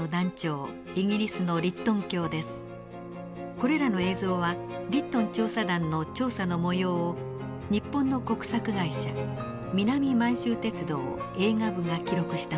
これらの映像はリットン調査団の調査のもようを日本の国策会社南満州鉄道映画部が記録したものです。